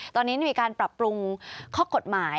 ตอนนี้มีการปรับปรุงข้อกฎหมาย